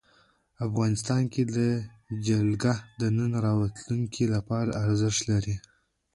افغانستان کې جلګه د نن او راتلونکي لپاره ارزښت لري.